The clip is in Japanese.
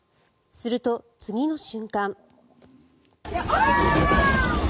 すると、次の瞬間。